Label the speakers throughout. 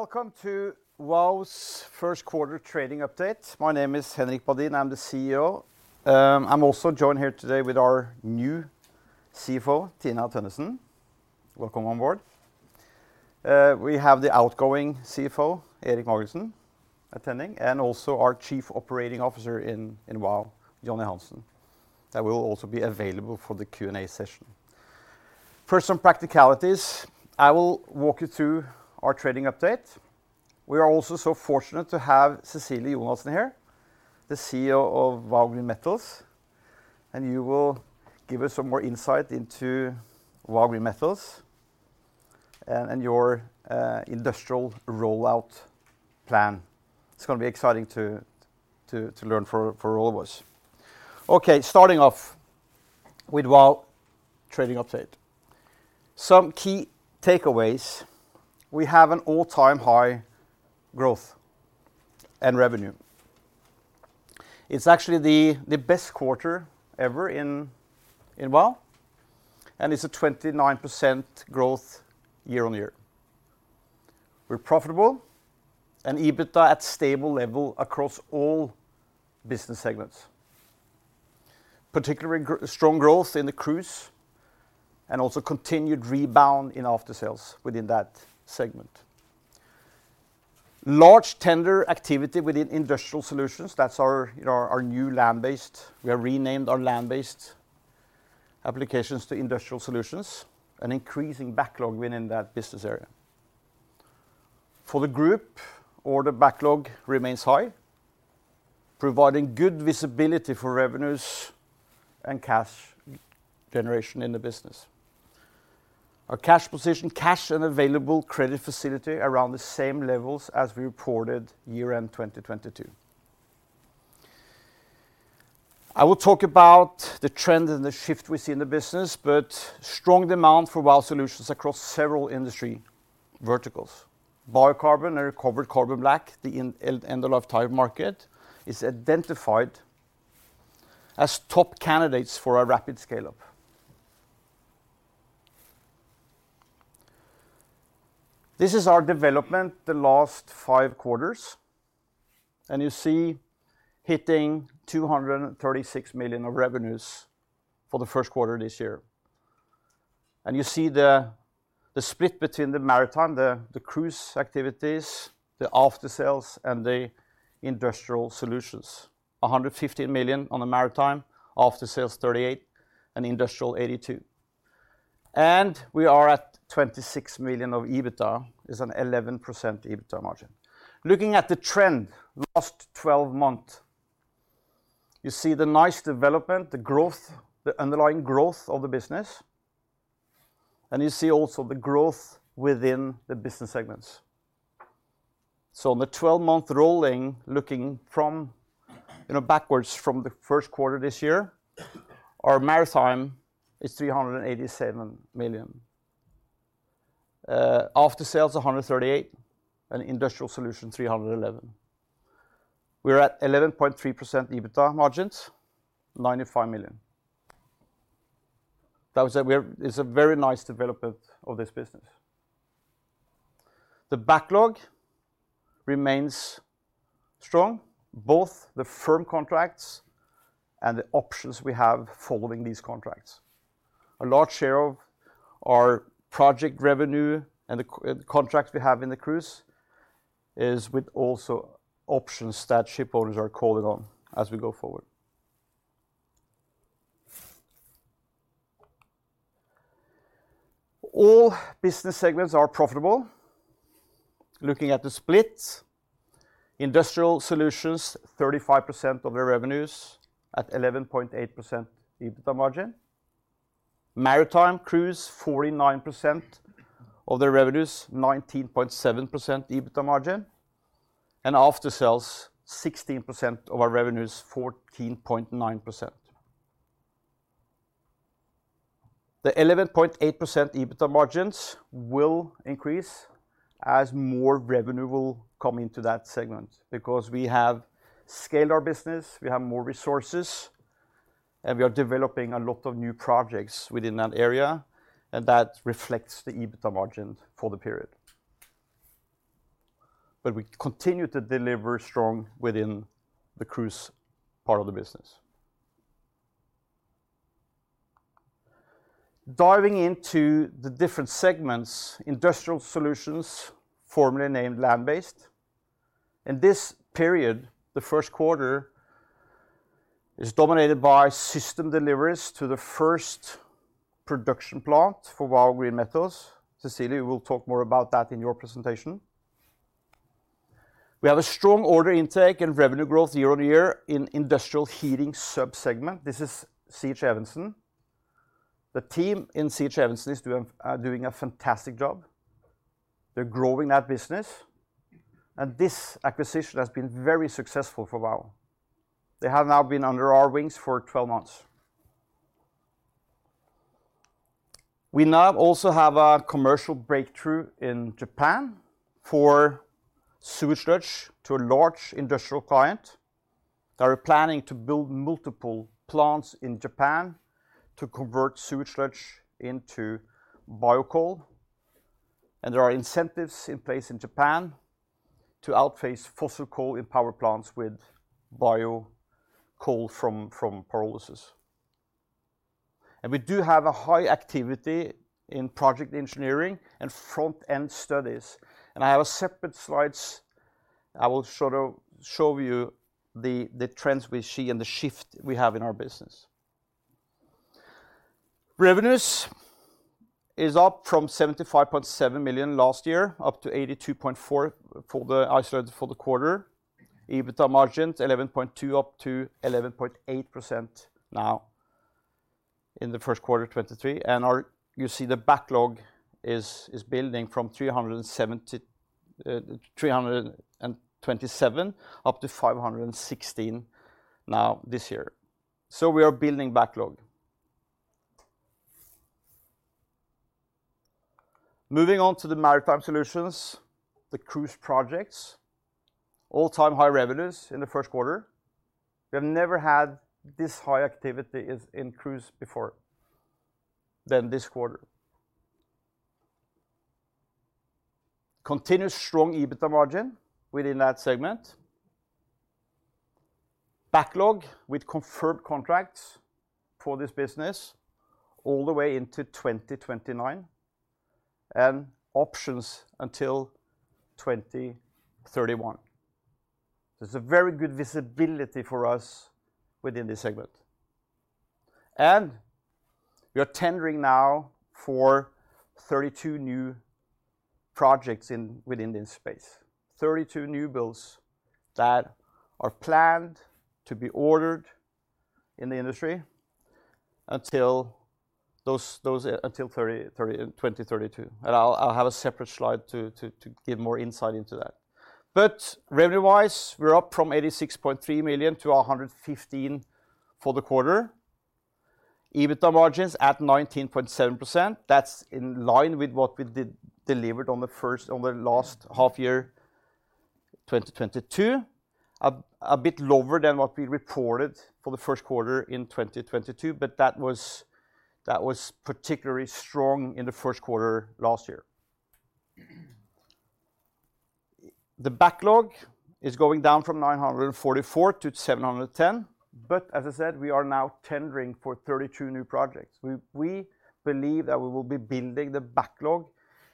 Speaker 1: Welcome to Vow's first quarter trading update. My name is Henrik Badin, I'm the CEO. I'm also joined here today with our new CFO, Tina Tønnesen. Welcome on board. We have the outgoing CFO, Erik Magelssen, attending, and also our Chief Operating Officer in Vow, Jonny Hansen. That will also be available for the Q&A session. First, some practicalities. I will walk you through our trading update. We are also so fortunate to have Cecilie Jonassen here, the CEO of Vow Green Metals, and you will give us some more insight into Vow Green Metals and your industrial rollout plan. It's gonna be exciting to learn for all of us. Starting off with Vow trading update. Some key takeaways. We have an all-time high growth and revenue. It's actually the best quarter ever in Vow. It's a 29% growth year-over-year. We're profitable and EBITDA at stable level across all business segments. Particularly strong growth in the cruise, also continued rebound in aftersales within that segment. Large tender activity within industrial solutions, that's our, you know, our new Land-Based. We have renamed our Land-Based applications to industrial solutions, an increasing backlog within that business area. For the group, order backlog remains high, providing good visibility for revenues and cash generation in the business. Our cash position, cash and available credit facility around the same levels as we reported year-end 2022. I will talk about the trend and the shift we see in the business, strong demand for Vow solutions across several industry verticals. Biocarbon and recovered carbon black, the end-of-life tire market, is identified as top candidates for a rapid scale-up. This is our development the last five quarters. You see hitting 236 million of revenues for the first quarter this year. You see the split between the maritime, the cruise activities, the aftersales, and the industrial solutions. 115 million on the maritime, aftersales 38 million, and industrial 82 million. We are at 26 million of EBITDA, is an 11% EBITDA margin. Looking at the trend last 12 month, you see the nice development, the growth, the underlying growth of the business. You see also the growth within the business segments. On the 12-month rolling, looking from, you know, backwards from the 1st quarter this year, our maritime is 387 million. Aftersales 138 million, and industrial solution 311 million. We're at 11.3% EBITDA margins, 95 million. That was It's a very nice development of this business. The backlog remains strong, both the firm contracts and the options we have following these contracts. A large share of our project revenue and the contracts we have in the cruise is with also options that ship owners are calling on as we go forward. All business segments are profitable. Looking at the split, industrial solutions 35% of the revenues at 11.8% EBITDA margin. Maritime cruise, 49% of the revenues, 19.7% EBITDA margin. Aftersales, 16% of our revenues, 14.9%. The 11.8% EBITDA margins will increase as more revenue will come into that segment, because we have scaled our business, we have more resources, and we are developing a lot of new projects within that area, and that reflects the EBITDA margin for the period. We continue to deliver strong within the cruise part of the business. Diving into the different segments, Industrial Solutions, formerly named Land-Based. In this period, the first quarter is dominated by system deliveries to the first production plant for Vow Green Metals. Cecilie, we'll talk more about that in your presentation. We have a strong order intake and revenue growth year on year in industrial heating sub-segment. This is C.H. Evensen. The team in C.H. Evensen is doing a fantastic job. They're growing that business, and this acquisition has been very successful for Vow. They have now been under our wings for 12 months. We now also have a commercial breakthrough in Japan for sewage sludge to a large industrial client. They are planning to build multiple plants in Japan to convert sewage sludge into biogenic coal, and there are incentives in place in Japan to outpace fossil coal in power plants with biogenic coal from pyrolysis. We do have a high activity in project engineering and front-end studies, and I have separate slides I will show you the trends we see and the shift we have in our business. Revenues is up from 75.7 million last year, up to 82.4 million actually for the quarter. EBITDA margins 11.2% up to 11.8% now in the first quarter of 2023. You see the backlog is building from 327 up to 516 now this year. We are building backlog. Moving on to the Maritime solutions, the cruise projects, all-time high revenues in the first quarter. We have never had this high activity is in cruise before than this quarter. Continuous strong EBITDA margin within that segment. Backlog with confirmed contracts for this business all the way into 2029, and options until 2031. There's a very good visibility for us within this segment. We are tendering now for 32 new projects within this space. 32 new builds that are planned to be ordered in the industry until those until 2032. I'll have a separate slide to give more insight into that. Revenue-wise, we're up from 86.3 million to 115 million for the quarter. EBITDA margins at 19.7%. That's in line with what we delivered on the last half year, 2022. A bit lower than what we reported for the first quarter in 2022, That was particularly strong in the first quarter last year. The backlog is going down from 944 million to 710 million, As I said, we are now tendering for 32 new projects. We believe that we will be building the backlog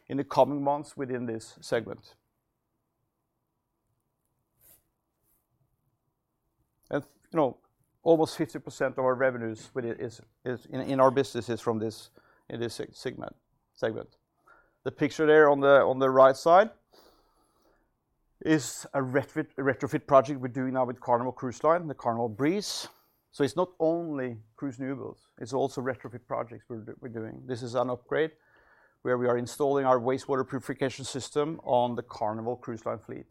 Speaker 1: in the coming months within this segment. You know, almost 50% of our revenues with it is in our business is from this segment. The picture there on the, on the right side is a retrofit project we're doing now with Carnival Cruise Line, the Carnival Breeze. It's not only cruise new builds, it's also retrofit projects we're doing. This is an upgrade where we are installing our wastewater purification system on the Carnival Cruise Line fleet.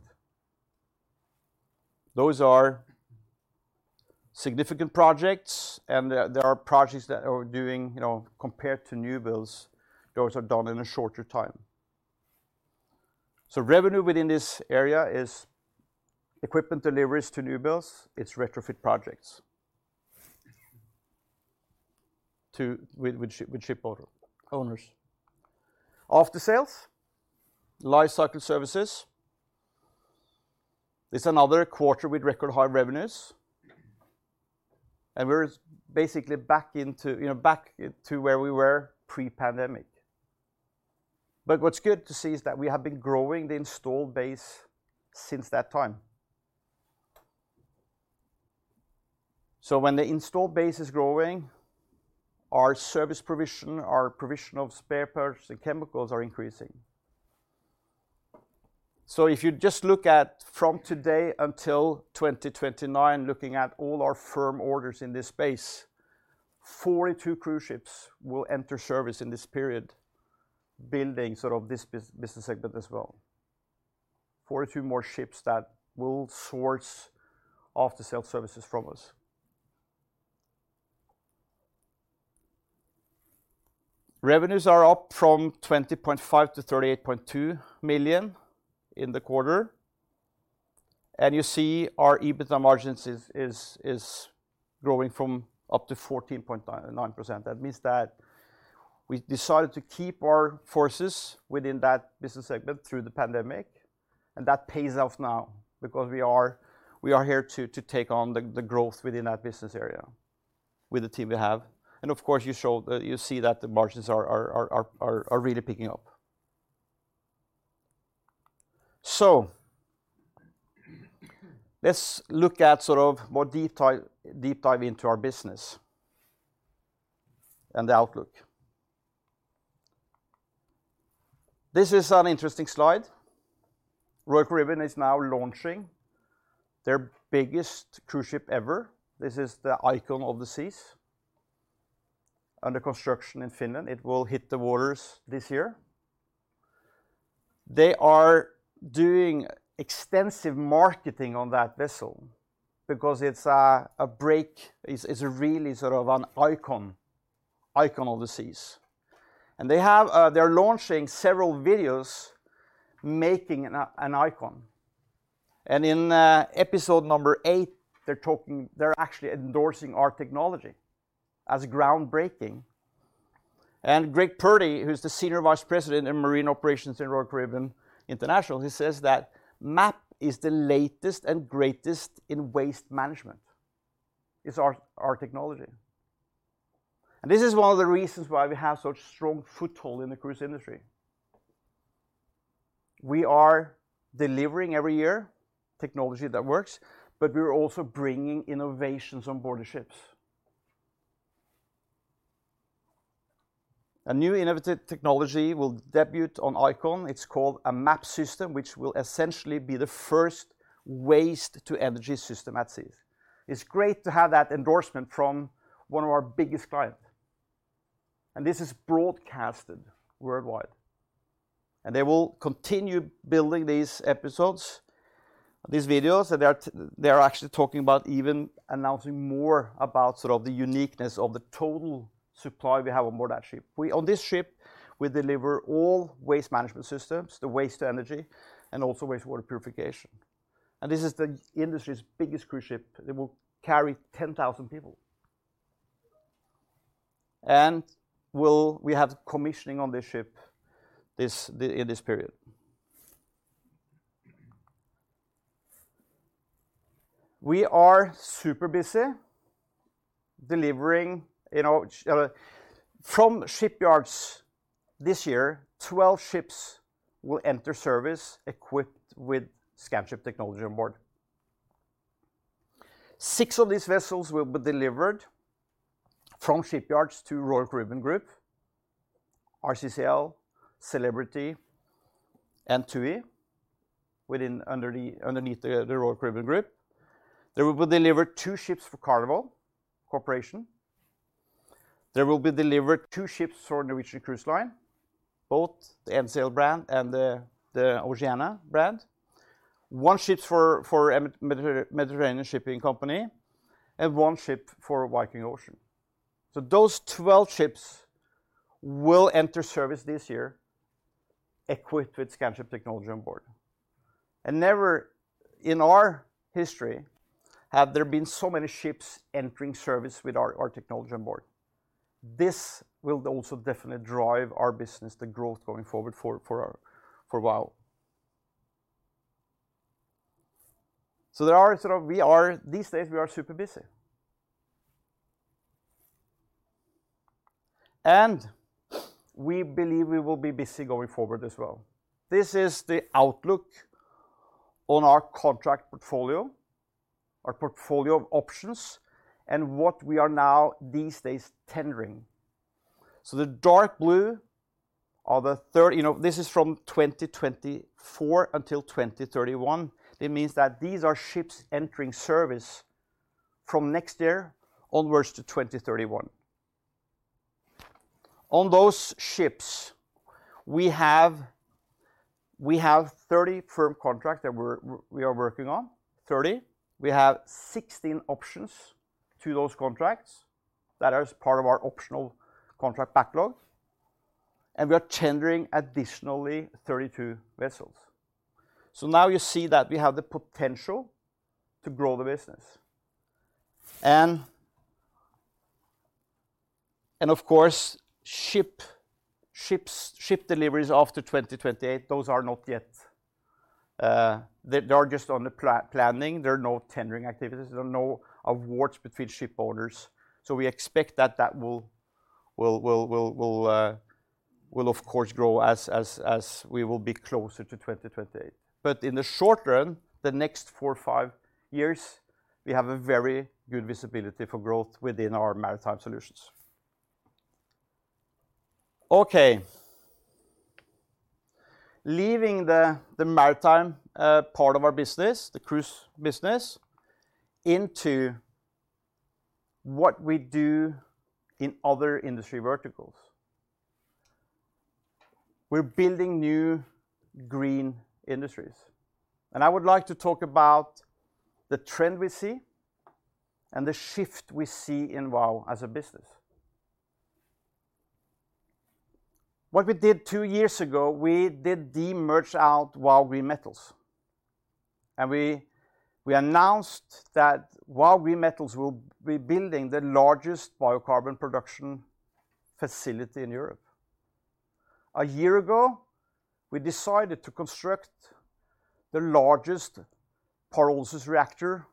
Speaker 1: Those are significant projects, and they are projects that we're doing, you know, compared to new builds, those are done in a shorter time. Revenue within this area is equipment deliveries to new builds, it's retrofit projects to with ship owners. Aftersales, Lifecycle Services, it's another quarter with record high revenues. We're basically back into, you know, back to where we were pre-pandemic. What's good to see is that we have been growing the installed base since that time. When the installed base is growing, our service provision, our provision of spare parts and chemicals are increasing. If you just look at from today until 2029, looking at all our firm orders in this space, 42 cruise ships will enter service in this period, building sort of this business segment as well. 42 more ships that will source after sales services from us. Revenues are up from 20.5 million to 38.2 million in the quarter. You see our EBITDA margins is growing from up to 14.9%. That means that we decided to keep our forces within that business segment through the pandemic, and that pays off now because we are here to take on the growth within that business area with the team we have. Of course, you see that the margins are really picking up. Let's look at sort of deep dive into our business and the outlook. This is an interesting slide. Royal Caribbean is now launching their biggest cruise ship ever. This is the Icon of the Seas under construction in Finland. It will hit the waters this year. They are doing extensive marketing on that vessel because it's a break. It's really sort of an icon, Icon of the Seas. They have, they're launching several videos making an Icon. In episode number eight, they're actually endorsing our technology as groundbreaking. Greg Purdy, who's the Senior Vice President in Marine Operations in Royal Caribbean International, he says that, "MAP is the latest and greatest in waste management." It's our technology. This is one of the reasons why we have such strong foothold in the cruise industry. We are delivering every year technology that works, but we're also bringing innovations on board the ships. A new innovative technology will debut on Icon. It's called a MAP system, which will essentially be the first waste-to-energy system at sea. It's great to have that endorsement from one of our biggest client. This is broadcasted worldwide. They will continue building these episodes, these videos, they are actually talking about even announcing more about sort of the uniqueness of the total supply we have on board that ship. On this ship, we deliver all waste management systems, the waste-to-energy, and also wastewater purification. This is the industry's biggest cruise ship. It will carry 10,000 people. We have commissioning on this ship in this period. We are super busy delivering, you know, from shipyards this year, 12 ships will enter service equipped with Scanship technology on board. six of these vessels will be delivered from shipyards to Royal Caribbean Group, RCCL, Celebrity, and TUI, underneath the Royal Caribbean Group. They will deliver two ships for Carnival Corporation. There will be delivered two ships for Norwegian Cruise Line, both the NCL brand and the Oceania brand, one ship for Mediterranean Shipping Company, and one ship for Viking Ocean. Those 12 ships will enter service this year equipped with Scanship technology on board. Never in our history have there been so many ships entering service with our technology on board. This will also definitely drive our business, the growth going forward for a while. These days we are super busy. We believe we will be busy going forward as well. This is the outlook on our contract portfolio, our portfolio of options, and what we are now these days tendering. You know, this is from 2024 until 2031. It means that these are ships entering service from next year onwards to 2031. On those ships, we have 30 firm contract that we are working on, 30. We have 16 options to those contracts. That is part of our optional contract backlog, and we are tendering additionally 32 vessels. Now you see that we have the potential to grow the business. Of course, ship deliveries after 2028, those are not yet... They are just on the planning. There are no tendering activities. There are no awards between ship orders. We expect that that will of course grow as we will be closer to 2028. In the short run, the next four, five years, we have a very good visibility for growth within our Maritime solutions. Okay. Leaving the maritime part of our business, the cruise business, into what we do in other industry verticals. We're building new green industries. I would like to talk about the trend we see and the shift we see in Vow as a business. What we did two years ago, we did demerge out Vow Green Metals, we announced that Vow Green Metals will be building the largest biocarbon production facility in Europe. A year ago, we decided to construct the largest pyrolysis reactor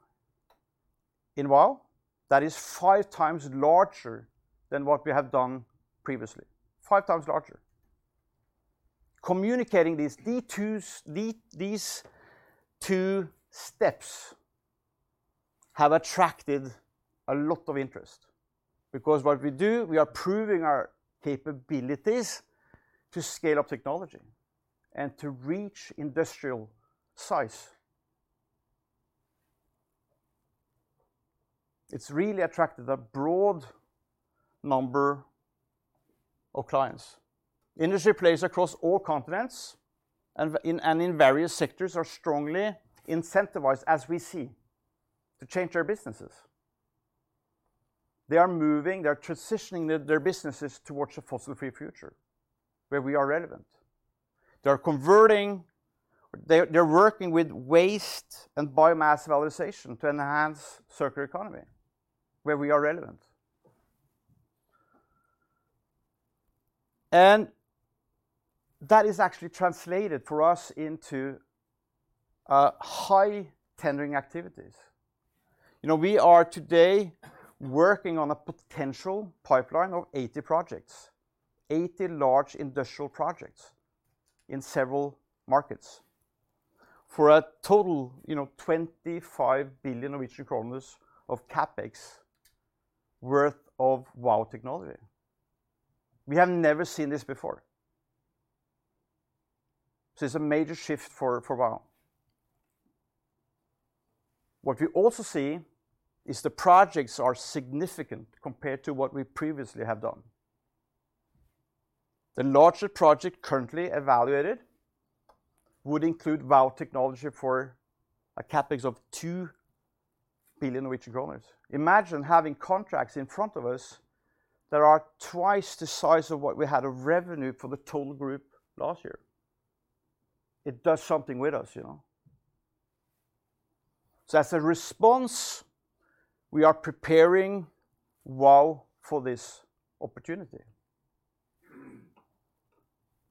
Speaker 1: in Vow that is five times larger than what we have done previously. Five times larger. Communicating these two steps have attracted a lot of interest because what we do, we are proving our capabilities to scale up technology and to reach industrial size. It's really attracted a broad number of clients. Industry players across all continents and in various sectors are strongly incentivized, as we see, to change their businesses. They are moving, they're transitioning their businesses towards a fossil-free future where we are relevant. They're working with waste and biomass valorization to enhance circular economy where we are relevant. That is actually translated for us into high tendering activities. You know, we are today working on a potential pipeline of 80 projects. 80 large industrial projects in several markets for a total, you know, 25 billion Norwegian kroner of CapEx worth of Vow technology. We have never seen this before. This is a major shift for Vow. What we also see is the projects are significant compared to what we previously have done. The larger project currently evaluated would include Vow technology for a CapEx of 2 billion Norwegian kroner. Imagine having contracts in front of us that are twice the size of what we had of revenue for the total group last year. It does something with us, you know. As a response, we are preparing VOW for this opportunity.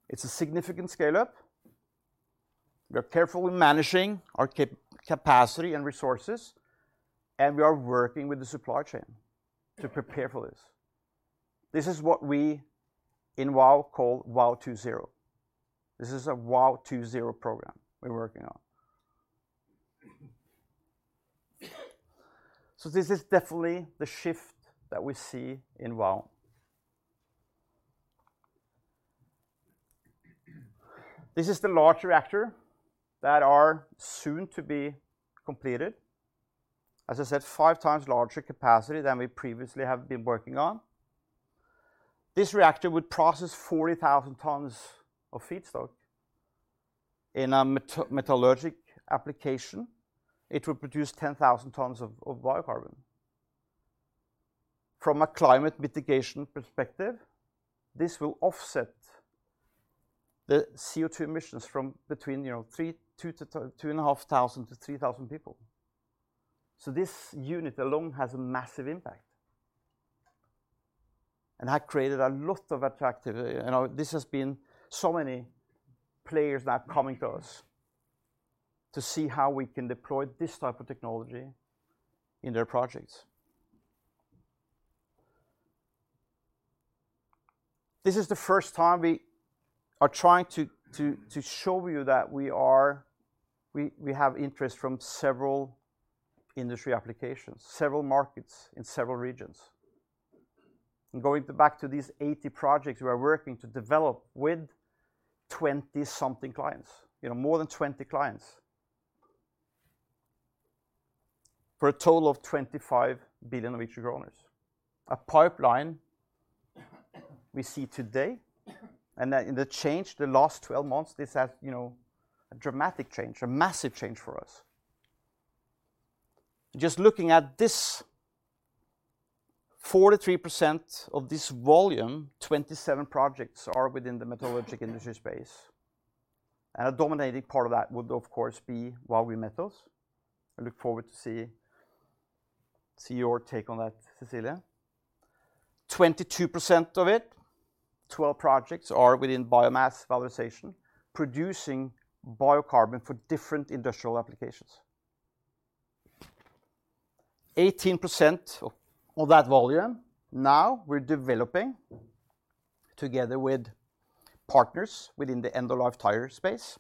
Speaker 1: It's a significant scale-up. We are carefully managing our capacity and resources, and we are working with the supply chain to prepare for this. This is what we in VOW call Vow 2.0. This is a Vow 2.0 program we're working on. This is definitely the shift that we see in VOW. This is the larger reactor that are soon to be completed. As I said, five times larger capacity than we previously have been working on. This reactor would process 40,000 tons of feedstock. In a metallurgic application, it would produce 10,000 tons of biocarbon. From a climate mitigation perspective, this will offset the CO2 emissions from between, you know, 2,500 to 3,000 people. This unit alone has a massive impact. That created a lot of activity. You know, this has been so many players that are coming to us to see how we can deploy this type of technology in their projects. This is the first time we are trying to show you that we have interest from several industry applications, several markets in several regions. Going back to these 80 projects we are working to develop with 20 something clients, you know, more than 20 clients for a total of 25 billion Norwegian kroner. A pipeline we see today, the change the last 12 months, this has, you know, a dramatic change, a massive change for us. Just looking at this, 43% of this volume, 27 projects are within the metallurgic industry space. A dominating part of that would of course be Vow Metals. I look forward to see your take on that, Cecilia. 22% of it, 12 projects are within biomass valorization, producing biocarbon for different industrial applications. 18% of that volume now we're developing together with partners within the end-of-life tire space.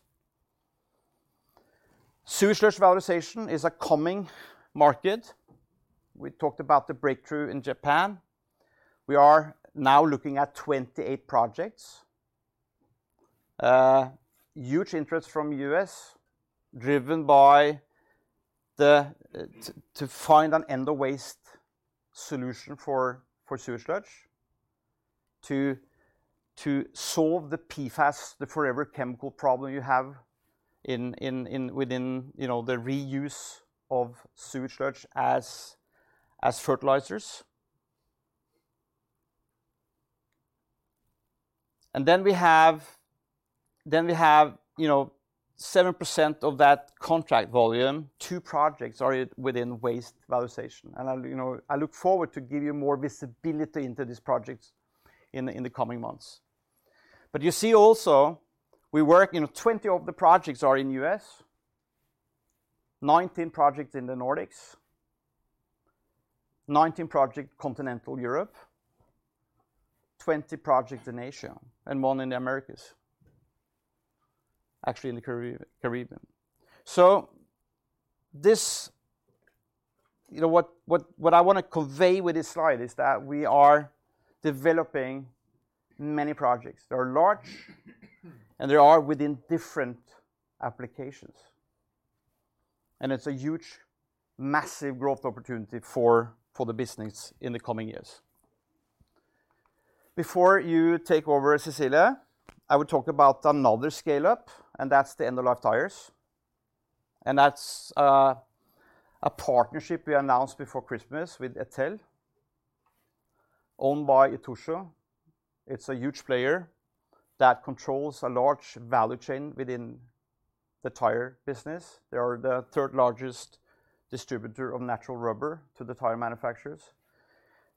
Speaker 1: Sewage sludge valorization is a coming market. We talked about the breakthrough in Japan. We are now looking at 28 projects. Huge interest from U.S. driven to find an end-of-waste solution for sewage sludge to solve the PFAS, the forever chemical problem you have within, you know, the reuse of sewage sludge as fertilizers. Then we have, you know, 7% of that contract volume, two projects are within waste valorization. I'll, you know, I look forward to give you more visibility into these projects in the coming months. You see also we work, you know, 20 of the projects are in U.S., 19 projects in the Nordics, 19 project Continental Europe, 20 project in Asia, and one in the Americas. Actually in the Caribbean. You know, what I wanna convey with this slide is that we are developing many projects. They are large, they are within different applications. It's a huge, massive growth opportunity for the business in the coming years. Before you take over, Cecilie, I will talk about another scale-up, that's the end-of-life tires. That's a partnership we announced before Christmas with ETEL, owned by ITOCHU. It's a huge player that controls a large value chain within the tire business. They are the third-largest distributor of natural rubber to the tire manufacturers.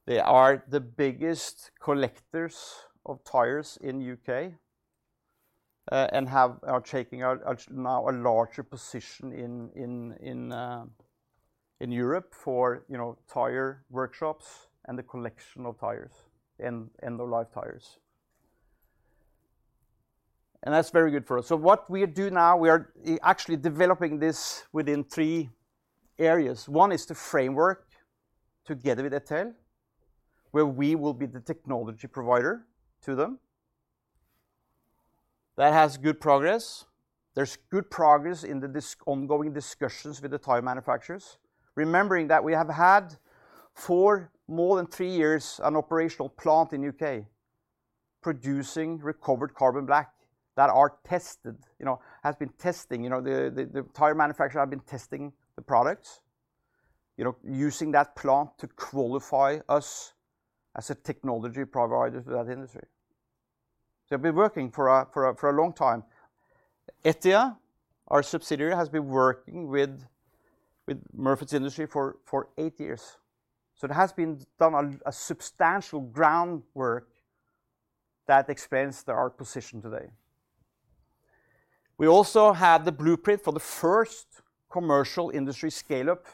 Speaker 1: They are the biggest collectors of tires in U.K., are taking a now a larger position in Europe for, you know, tire workshops and the collection of tires and end-of-life tires. That's very good for us. What we do now, we are actually developing this within three areas. One is the framework together with ETEL, where we will be the technology provider to them. That has good progress. There's good progress in the ongoing discussions with the tire manufacturers. Remembering that we have had for more than three years an operational plant in U.K. producing recovered carbon black that are tested, you know. Has been testing, you know. The tire manufacturer have been testing the products, you know, using that plant to qualify us as a technology provider to that industry. We've been working for a long time. ETIA, our subsidiary, has been working with Murfitts Industries for eight years. It has been done on a substantial groundwork that explains our position today. We also have the blueprint for the first commercial industry scale-up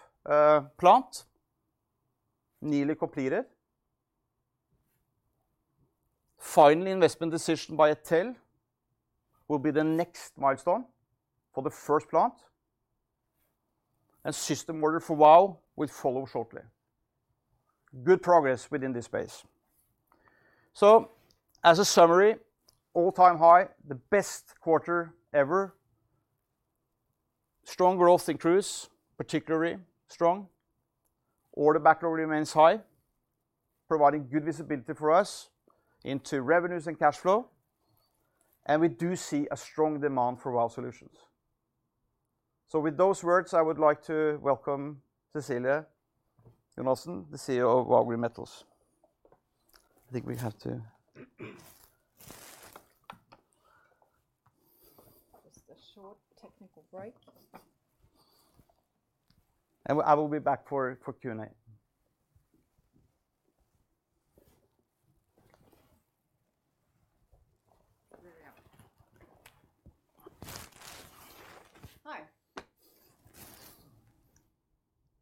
Speaker 1: plant nearly completed. Final investment decision by ETEL will be the next milestone for the first plant, and system order for Vow will follow shortly. Good progress within this space. As a summary, all-time high, the best quarter ever. Strong growth in Cruise, particularly strong. Order backlog remains high, providing good visibility for us into revenues and cash flow, and we do see a strong demand for Vow solutions. With those words, I would like to welcome Cecilie Jonassen, the CEO of Vow Green Metals. I think we have to.
Speaker 2: Just a short technical break.
Speaker 1: I will be back for Q&A.
Speaker 2: Hi.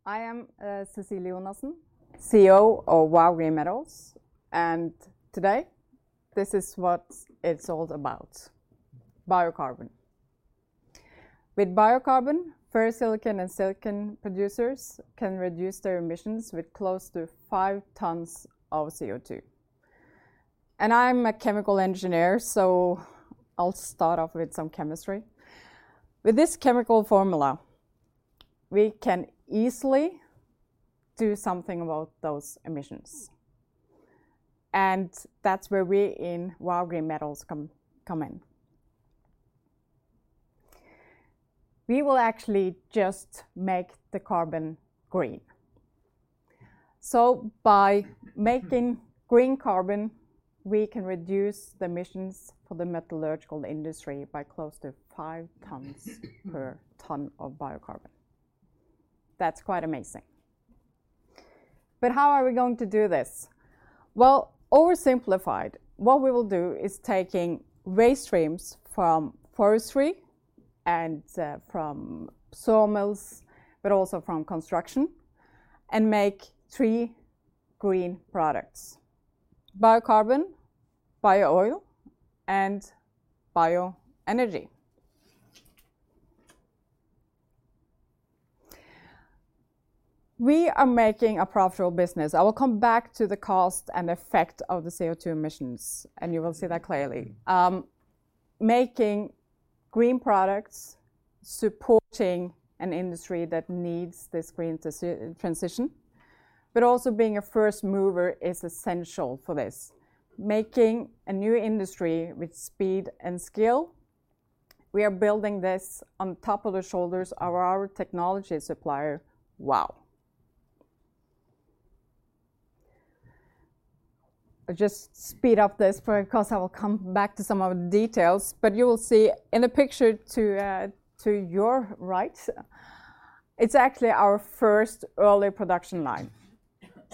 Speaker 2: I am Cecilie Jonassen, CEO of Vow Green Metals. Today, this is what it's all about, biocarbon. With biocarbon, ferrosilicon and silicon producers can reduce their emissions with close to 5 tons of CO2. I'm a chemical engineer, so I'll start off with some chemistry. With this chemical formula, we can easily do something about those emissions, and that's where we in Vow Green Metals come in. We will actually just make the carbon green. By making green carbon, we can reduce the emissions for the metallurgical industry by close to 5 tons per ton of biocarbon. That's quite amazing. How are we going to do this? Well, oversimplified, what we will do is taking waste streams from forestry and from sawmills, but also from construction, and make three green products, biocarbon, bio-oil, and bioenergy. We are making a profitable business. I will come back to the cost and effect of the CO2 emissions. You will see that clearly. Making green products, supporting an industry that needs this green transition, but also being a first mover is essential for this. Making a new industry with speed and skill, we are building this on top of the shoulders of our technology supplier, Vow. I'll just speed up this of course, I will come back to some of the details, but you will see in the picture to your right, it's actually our first early production line.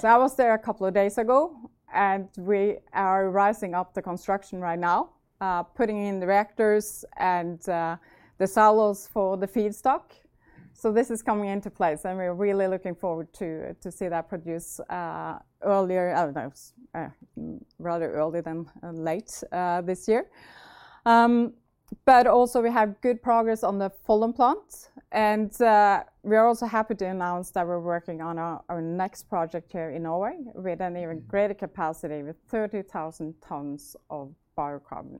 Speaker 2: I was there a couple days ago. We are rising up the construction right now, putting in the reactors and the silos for the feedstock. This is coming into place, and we're really looking forward to see that produce, earlier, I don't know, rather early than late, this year. Also we have good progress on the Follum plant, and we are also happy to announce that we're working on our next project here in Norway with an even greater capacity with 30,000 tons of biocarbon.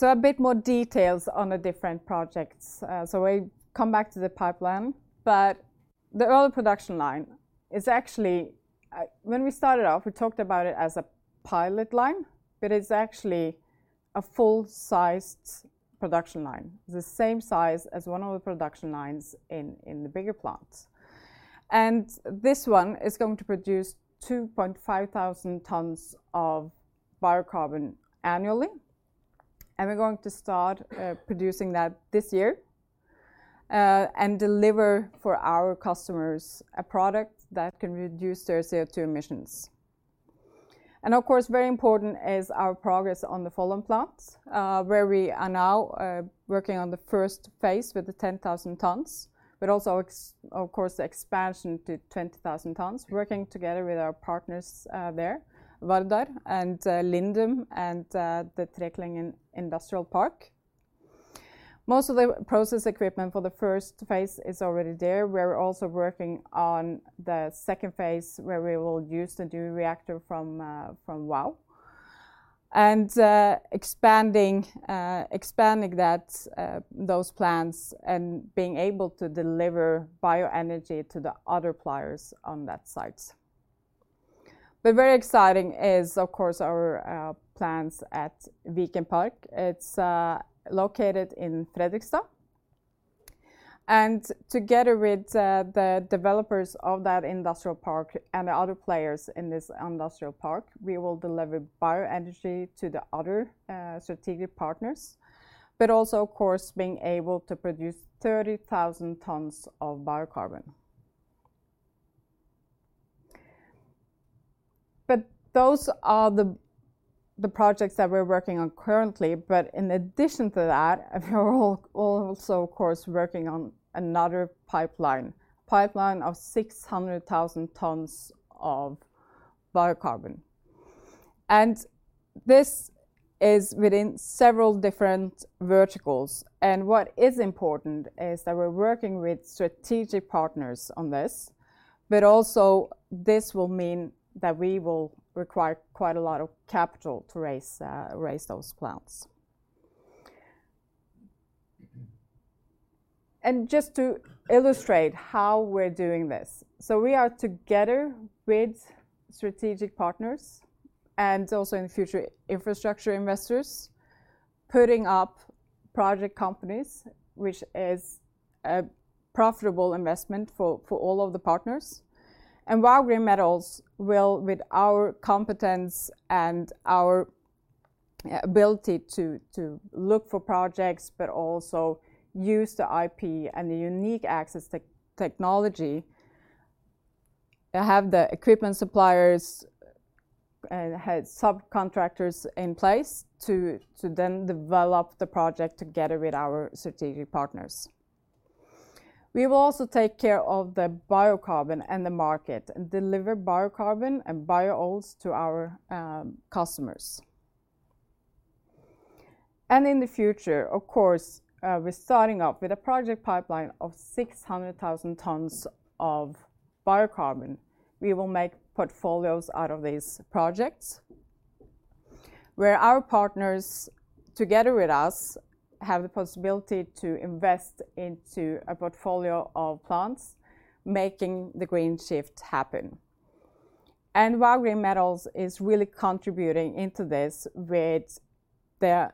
Speaker 2: A bit more details on the different projects. We come back to the pipeline, but the oil production line is actually, when we started off, we talked about it as a pilot line, but it's actually a full-sized production line, the same size as one of the production lines in the bigger plants. This one is going to produce 2,500 tons of biocarbon annually, and we're going to start producing that this year and deliver for our customers a product that can reduce their CO2 emissions. Of course, very important is our progress on the Follum plants, where we are now working on the first phase with the 10,000 tons, but also of course, expansion to 20,000 tons, working together with our partners there, Vardar and Lindum and the Treklyngen Industripark. Most of the process equipment for the first phase is already there. We're also working on the second phase where we will use the new reactor from Vow and expanding that those plants and being able to deliver bioenergy to the other players on that site. Very exciting is of course our plants at Viken Park. It's located in Fredrikstad. Together with the developers of that industrial park and the other players in this industrial park, we will deliver bioenergy to the other strategic partners, but also of course, being able to produce 30,000 tons of biocarbon. Those are the projects that we're working on currently. In addition to that, we're also of course, working on another pipeline of 600,000 tons of biocarbon. This is within several different verticals, and what is important is that we're working with strategic partners on this, but also this will mean that we will require quite a lot of capital to raise those plants. Just to illustrate how we're doing this, we are together with strategic partners and also in the future infrastructure investors, putting up project companies, which is a profitable investment for all of the partners. Vow Green Metals will, with our competence and our ability to look for projects, but also use the IP and the unique access technology to have the equipment suppliers, have subcontractors in place to then develop the project together with our strategic partners. We will also take care of the biocarbon and the market and deliver biocarbon and bio-oils to our customers. In the future, of course, we're starting up with a project pipeline of 600,000 tons of biocarbon. We will make portfolios out of these projects where our partners, together with us, have the possibility to invest into a portfolio of plants making the green shift happen. Vow Green Metals is really contributing into this with the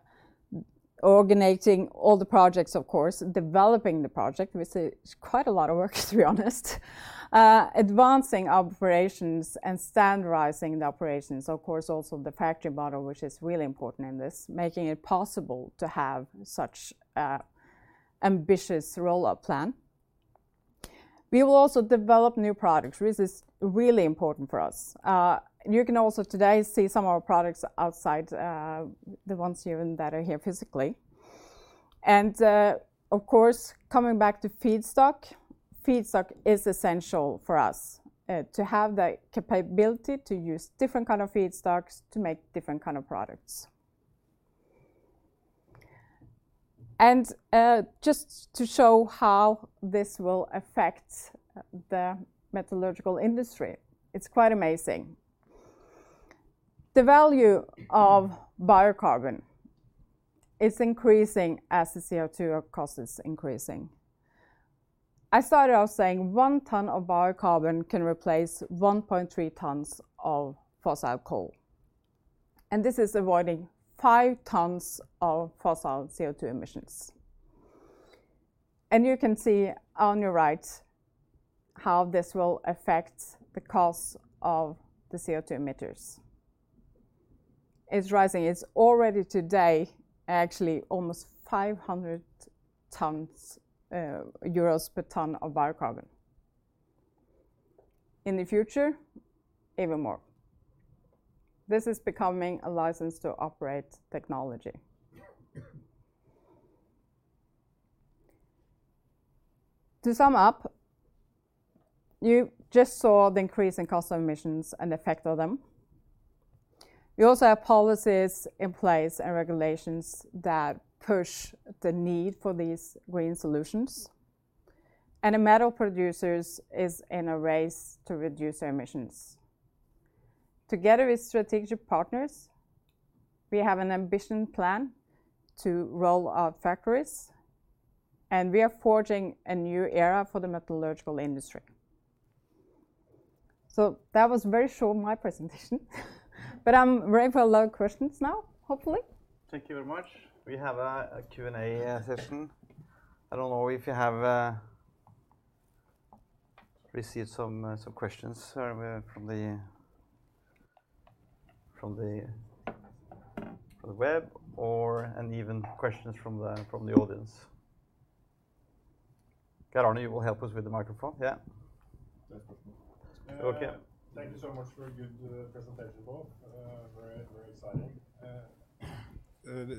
Speaker 2: organizing all the projects, of course, developing the project, which is quite a lot of work, to be honest, advancing operations and standardizing the operations. Of course, also the factory model, which is really important in this, making it possible to have such ambitious roll-out plan. We will also develop new products, which is really important for us. You can also today see some of our products outside, the ones even that are here physically. Of course, coming back to feedstock is essential for us, to have the capability to use different kind of feedstocks to make different kind of products. Just to show how this will affect the metallurgical industry, it's quite amazing. The value of biocarbon is increasing as the CO2 cost is increasing. I started off saying 1 ton of biocarbon can replace 1.3 tons of fossil coal, and this is avoiding 5 tons of fossil CO2 emissions. You can see on your right how this will affect the cost of the CO2 emitters. It's rising. It's already today actually almost 500 per ton of biocarbon. In the future, even more. This is becoming a license to operate technology. To sum up, you just saw the increase in cost of emissions and effect of them. We also have policies in place and regulations that push the need for these green solutions. The metal producers is in a race to reduce their emissions. Together with strategic partners, we have an ambitious plan to roll out factories, and we are forging a new era for the metallurgical industry. That was very short, my presentation, but I'm ready for a lot of questions now, hopefully.
Speaker 1: Thank you very much. We have a Q&A session. I don't know if you have received some questions from the web or even questions from the audience? Carney will help us with the microphone. Yeah. Okay.
Speaker 3: Thank you so much for a good presentation, Bo. Very, very exciting.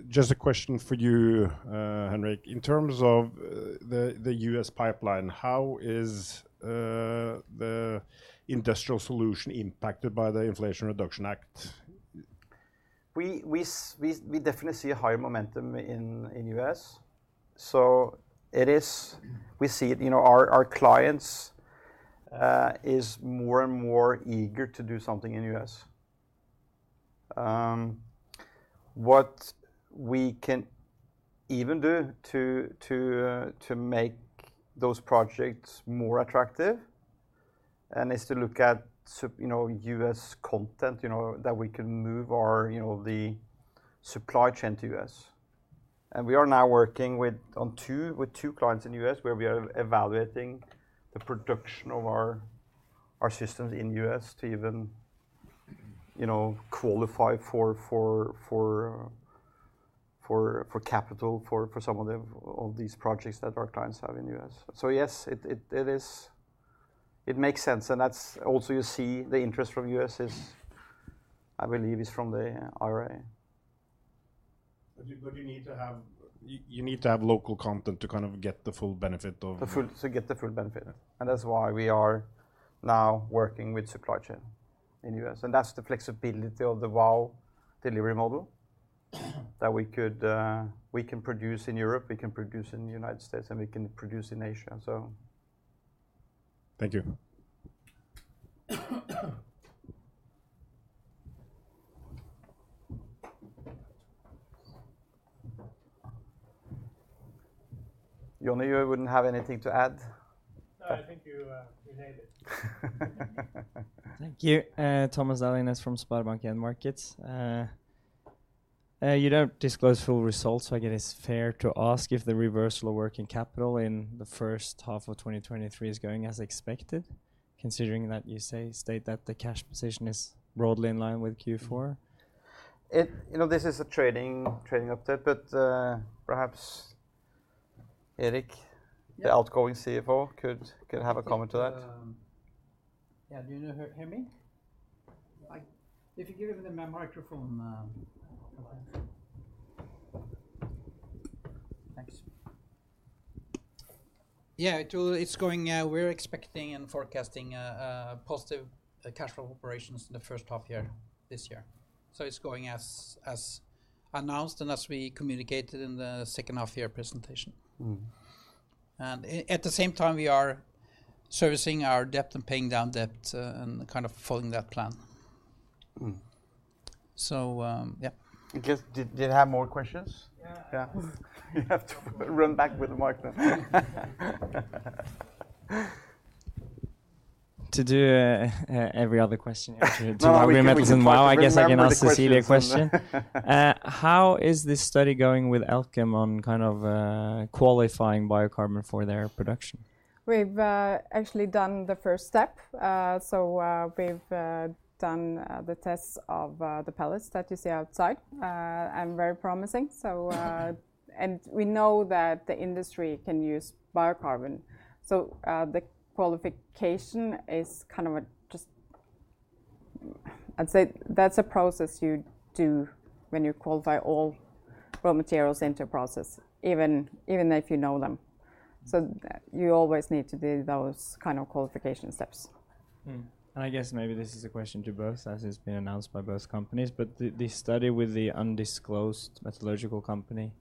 Speaker 3: Just a question for you, Henrik. In terms of the U.S. pipeline, how is the industrial solution impacted by the Inflation Reduction Act?
Speaker 1: We definitely see a higher momentum in U.S., so it is, we see, you know, our clients is more and more eager to do something in U.S. What we can even do to make those projects more attractive is to look at, you know, U.S. content, you know, that we can move our, you know, the supply chain to U.S. We are now working with two clients in U.S. where we are evaluating the production of our systems in U.S. to even, you know, qualify for capital for some of these projects that our clients have in US. Yes, it is, it makes sense, and that's also you see the interest from U.S. is, I believe, is from the IRA.
Speaker 3: You need to have, you need to have local content to kind of get the full benefit of?
Speaker 1: To get the full benefit. That's why we are now working with supply chain in the U.S. That's the flexibility of the Vow delivery model that we could, we can produce in Europe, we can produce in the United States, and we can produce in Asia.
Speaker 3: Thank you.
Speaker 1: Jonny, you wouldn't have anything to add?
Speaker 4: No, I think you nailed it.
Speaker 5: Thank you. Thomas Dowling Næss from SpareBank 1 Markets. You don't disclose full results, so I guess it's fair to ask if the reversal of working capital in the first half of 2023 is going as expected, considering that you state that the cash position is broadly in line with Q4.
Speaker 1: It, you know, this is a trading update. Perhaps Erik the outgoing CFO could have a comment to that.
Speaker 6: Yeah. Yeah. Do you know her, hear me? If you give him the microphone, I'll come up. Thanks. Yeah, it will, it's going, we're expecting and forecasting positive cash flow operations in the first half year this year. It's going as announced and as we communicated in the second half year presentation. At the same time, we are servicing our debt and paying down debt, and kind of following that plan. Yeah.
Speaker 1: Just did have more questions?
Speaker 5: Yeah.
Speaker 1: Yeah. You have to run back with the mic then.
Speaker 5: To do, every other question actually to raw materials and Vow.
Speaker 1: No, you can remember the questions and.
Speaker 5: I guess I can ask Cecilie a question. How is this study going with Elkem on kind of qualifying biocarbon for their production?
Speaker 2: We've actually done the first step. We've done the tests of the pellets that you see outside. Very promising. We know that the industry can use biocarbon. The qualification is kind of a process, I'd say that's a process you do when you qualify all raw materials into a process, even if you know them. You always need to do those kind of qualification steps.
Speaker 5: Mm. I guess maybe this is a question to both, as it's been announced by both companies, but the study with the undisclosed metallurgical company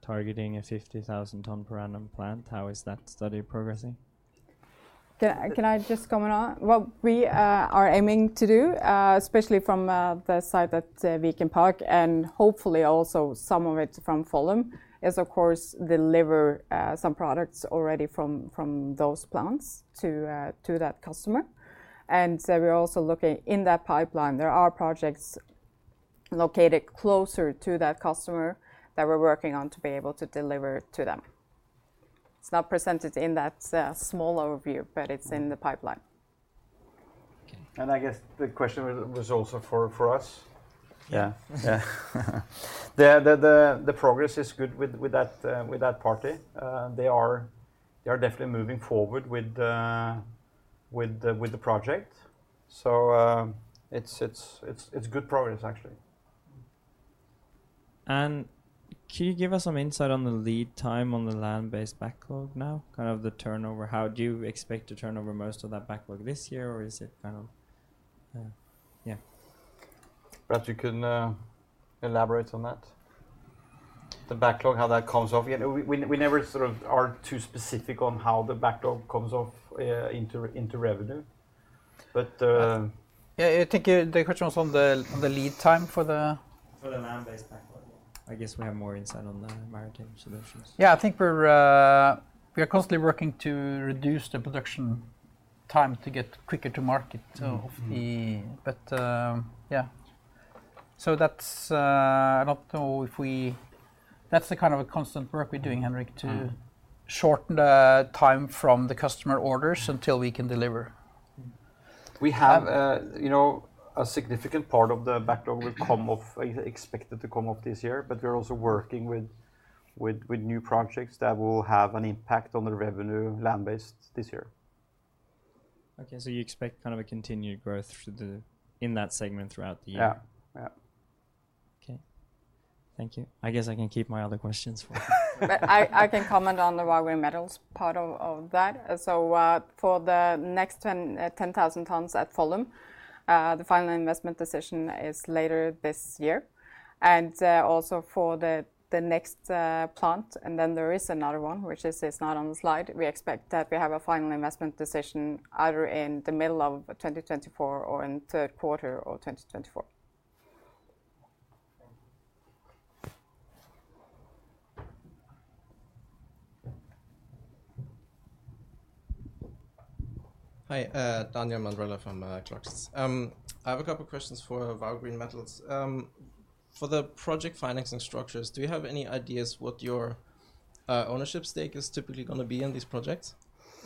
Speaker 5: targeting a 50,000 ton per annum plant, how is that study progressing?
Speaker 2: Can I just comment on what we are aiming to do especially from the side that Viken Park and hopefully also some of it from Follum is of course deliver some products already from those plants to that customer. We're also looking in that pipeline. There are projects located closer to that customer that we're working on to be able to deliver to them. It's not presented in that small overview, but it's in the pipeline.
Speaker 1: I guess the question was also for us.
Speaker 5: Yeah.
Speaker 1: Yeah. The progress is good with that party. They are definitely moving forward with the project. It's good progress actually.
Speaker 5: Can you give us some insight on the lead time on the Land-Based backlog now? Kind of the turnover, how do you expect to turn over most of that backlog this year, or is it kind of, yeah?
Speaker 1: Brad, you can elaborate on that.
Speaker 7: The backlog, how that comes off. You know, we never sort of are too specific on how the backlog comes off into revenue.
Speaker 4: Yeah, I think the question was on the lead time.
Speaker 7: For the Land-Based backlog. I guess we have more insight on the Maritime solutions.
Speaker 4: I think we're, we are constantly working to reduce the production time to get quicker to market of the. Yeah. That's, I don't know That's the kind of a constant work we're doing, Henrik, to shorten the time from the customer orders until we can deliver.
Speaker 7: We have, you know, a significant part of the backlog will come off, expected to come off this year, but we're also working with new projects that will have an impact on the revenue Land-Based this year.
Speaker 5: Okay. You expect kind of a continued growth in that segment throughout the year?
Speaker 7: Yeah. Yeah.
Speaker 5: Okay. Thank you. I guess I can keep my other questions.
Speaker 2: I can comment on the Vow Green Metals part of that. For the next 10,000 tons at Follum, the final investment decision is later this year. Also for the next plant, and then there is another one, which is not on the slide, we expect that we have a final investment decision either in the middle of 2024 or in third quarter of 2024.
Speaker 5: Thank you.
Speaker 8: Hi, Daniel Mandrella from Clarksons. I have a couple questions for Vow Green Metals. For the project financing structures, do you have any ideas what your ownership stake is typically gonna be in these projects?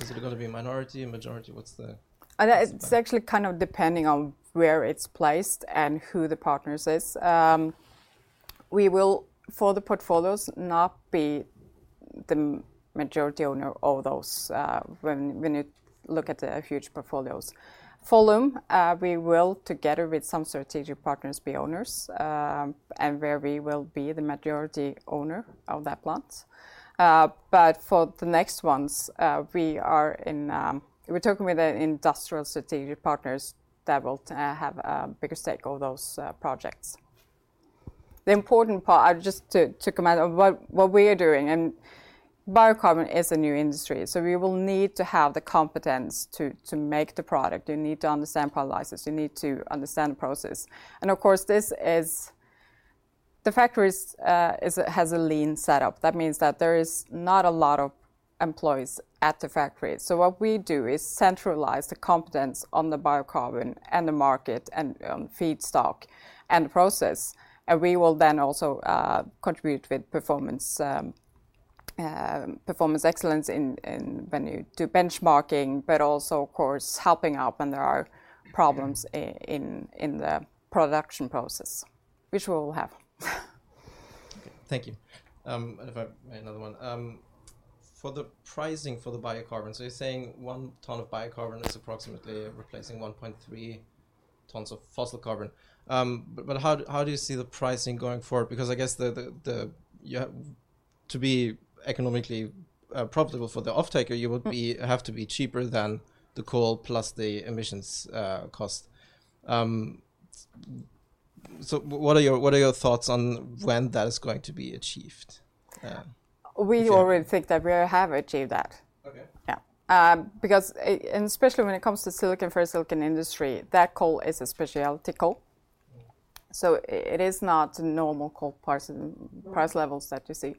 Speaker 8: Is it gonna be minority or majority?
Speaker 2: It's actually kind of depending on where it's placed and who the partners is. We will, for the portfolios, not be the majority owner of those, when you look at the huge portfolios. Follum, we will, together with some strategic partners, be owners, and where we will be the majority owner of that plant. But for the next ones, we are in. We're talking with the industrial strategic partners that will have a bigger stake of those projects. The important part, just to comment on what we are doing, biocarbon is a new industry, so we will need to have the competence to make the product. You need to understand pyrolysis. You need to understand the process. And of course, this is. The factories has a lean setup. That means that there is not a lot of employees at the factory. What we do is centralize the competence on the biocarbon and the market and feedstock and process. We will then also contribute with performance excellence in when you do benchmarking, but also of course helping out when there are problems in the production process, which we will have.
Speaker 8: Okay. Thank you. If I may, another one. For the pricing for the biocarbon, you're saying 1 ton of biocarbon is approximately replacing 1.3 tons of fossil carbon. How do you see the pricing going forward? Because I guess the, to be economically profitable for the offtaker, you have to be cheaper than the coal plus the emissions cost. What are your thoughts on when that is going to be achieved?
Speaker 2: We already think that we have achieved that. Yeah. Because, especially when it comes to silicon for silicon industry, that coal is a specialty coal. It is not normal coal price levels that you see.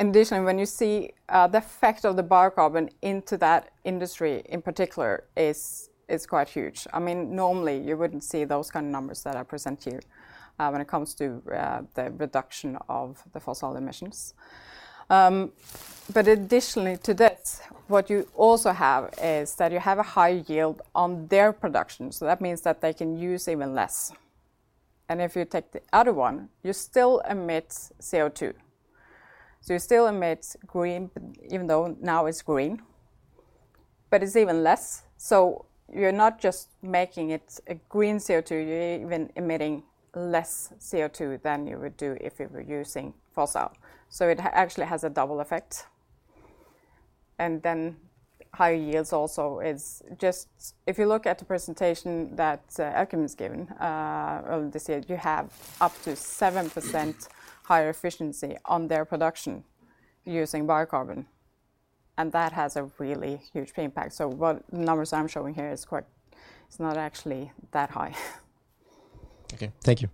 Speaker 2: In addition, when you see, the effect of the biocarbon into that industry in particular is quite huge. I mean, normally, you wouldn't see those kind of numbers that are presented here, when it comes to, the reduction of the fossil emissions. Additionally to this, what you also have is that you have a high yield on their production, so that means that they can use even less. If you take the other one, you still emit CO2. You still emit green, even though now it's green, but it's even less. You're not just making it a green CO2, you're even emitting less CO2 than you would do if you were using fossil. It actually has a double effect. Then higher yields also is just. If you look at the presentation that Achim has given earlier this year, you have up to 7% higher efficiency on their production using biocarbon, and that has a really huge impact. What numbers I'm showing here is quite. It's not actually that high.
Speaker 8: Okay. Thank you.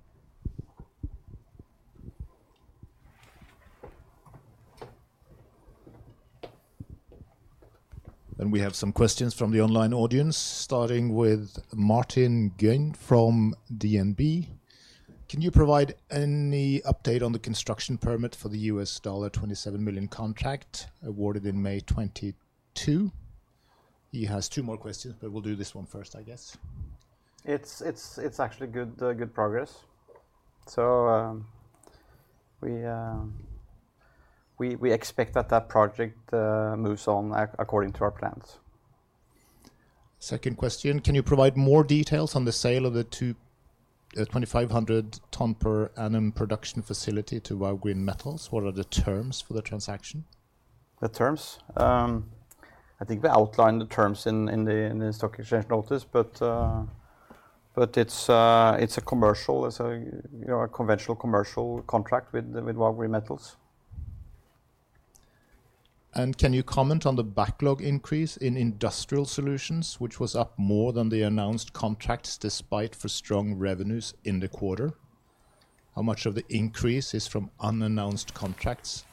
Speaker 7: We have some questions from the online audience, starting with Martin Karlsen from DNB Markets. Can you provide any update on the construction permit for the $27 million contract awarded in May 2022? He has two more questions, but we'll do this one first, I guess.
Speaker 1: It's actually good progress. We expect that that project moves on according to our plans.
Speaker 7: Second question: Can you provide more details on the sale of the 2,500 ton per annum production facility to Vow Green Metals? What are the terms for the transaction?
Speaker 1: The terms? I think we outlined the terms in the stock exchange notice but it's a commercial, it's a, you know, a conventional commercial contract with Vow Green Metals
Speaker 7: Can you comment on the backlog increase in industrial solutions, which was up more than the announced contracts despite for strong revenues in the quarter? How much of the increase is from unannounced contracts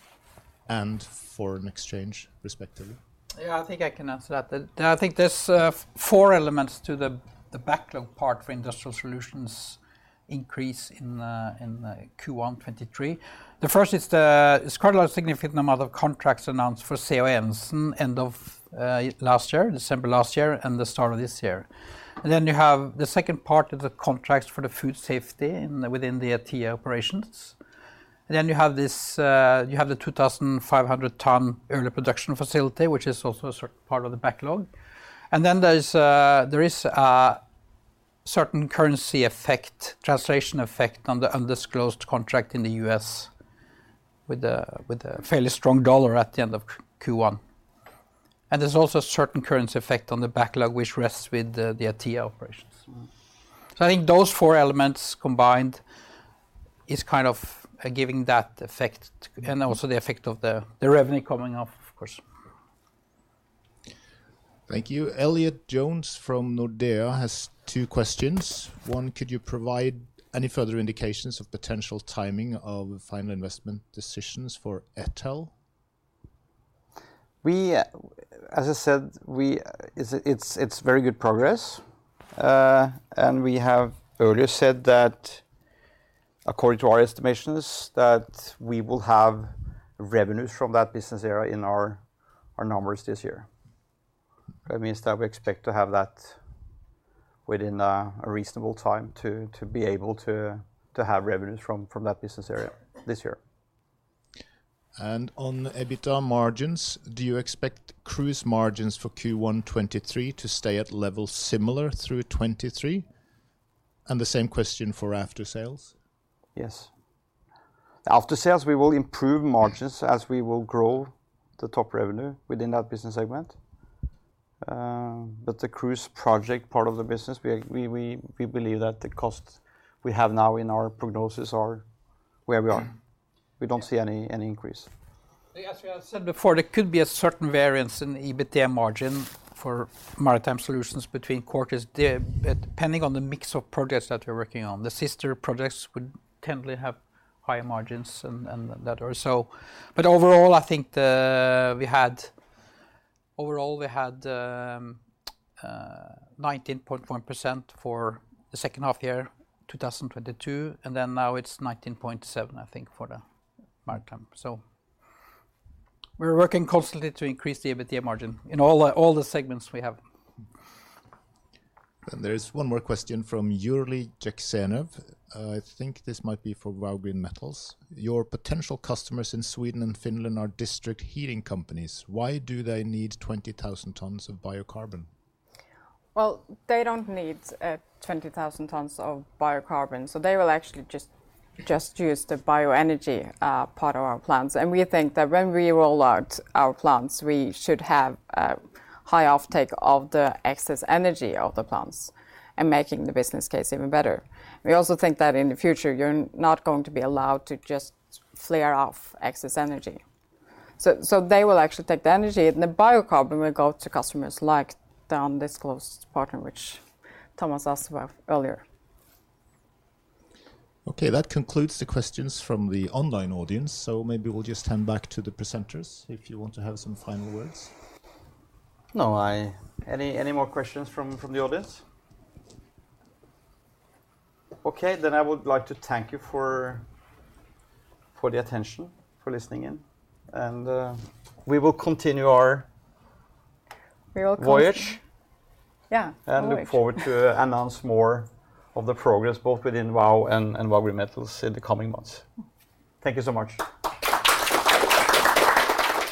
Speaker 7: and foreign exchange respectively?
Speaker 4: Yeah, I think I can answer that. I think there's four elements to the backlog part for industrial solutions increase in Q1 2023. The first is, it's quite a lot of significant amount of contracts announced for COM's end of last year, December last year, the start of this year. You have the second part of the contracts for the food safety in, within the ETIA operations. You have this, you have the 2,500 ton early production facility, which is also a part of the backlog. There's a certain currency effect, translation effect on the undisclosed contract in the U.S. with a fairly strong dollar at the end of Q1. There's also a certain currency effect on the backlog, which rests with the ETIA operations. I think those four elements combined is kind of giving that effect and also the effect of the revenue coming up, of course.
Speaker 7: Thank you. Elliott Jones from Nordea has two questions. One, could you provide any further indications of potential timing of final investment decisions for ETIA?
Speaker 1: We, as I said, it's very good progress. We have earlier said that according to our estimations, that we will have revenues from that business area in our numbers this year. That means that we expect to have that within a reasonable time to be able to have revenues from that business area this year.
Speaker 7: On EBITDA margins, do you expect cruise margins for Q1 2023 to stay at levels similar through 2023? The same question for after sales?
Speaker 1: Yes. After sales, we will improve margins as we will grow the top revenue within that business segment. The cruise project part of the business, we believe that the costs we have now in our prognosis are where we are. We don't see any increase.
Speaker 4: As we have said before, there could be a certain variance in EBITDA margin for Maritime solutions between quarters depending on the mix of projects that we're working on. The sister projects would tend to have higher margins and that or so. Overall, I think the, we had, overall we had 19.1% for the second half year, 2022. Now it's 19.7%, I think, for the maritime. We're working constantly to increase the EBITDA margin in all the segments we have.
Speaker 7: There's one more question from Juri Jukson. I think this might be for Vow Green Metals. Your potential customers in Sweden and Finland are district heating companies. Why do they need 20,000 tons of biocarbon?
Speaker 2: Well, they don't need 20,000 tons of biocarbon, so they will actually use the bioenergy part of our plants. We think that when we roll out our plants, we should have a high offtake of the excess energy of the plants and making the business case even better. We also think that in the future, you're not going to be allowed to just flare off excess energy. They will actually take the energy and the biocarbon will go to customers like the undisclosed partner, which Thomas asked about earlier.
Speaker 7: Okay, that concludes the questions from the online audience. Maybe we'll just hand back to the presenters if you want to have some final words.
Speaker 1: No. Any more questions from the audience? Okay, I would like to thank you for the attention, for listening in and we will continue.voyage.
Speaker 2: Yeah, voyage.
Speaker 1: Look forward to announce more of the progress both within Vow and Vow Green Metals in the coming months. Thank you so much.